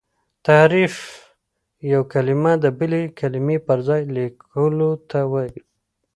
تحريف یو کلمه د بلي کلمې پر ځای لیکلو ته وايي.